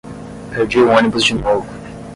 Perdi o ônibus de novo.